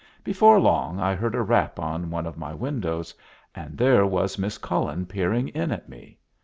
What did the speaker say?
Before long I heard a rap on one of my windows, and there was Miss Cullen peering in at me.